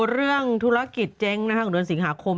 หรอเออเวรกรรม